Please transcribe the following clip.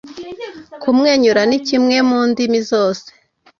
Kumwenyura ni kimwe mundimi zose.